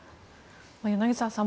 柳澤さん